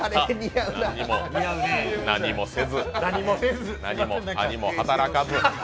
何もせず、何も働かず。